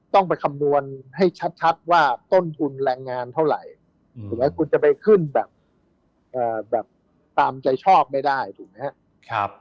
ต้องไปคำนวณให้ชัดว่าต้นทุนแรงงานเท่าไหร่ถูกไหมคุณจะไปขึ้นแบบตามใจชอบไม่ได้ถูกไหมครับ